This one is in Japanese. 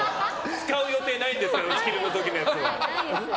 使う予定なんですけど打ち切りの時のやつは。